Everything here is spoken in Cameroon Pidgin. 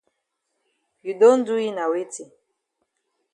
You don do yi na weti?